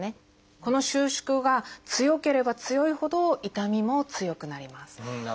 この収縮が強ければ強いほど痛みも強くなります。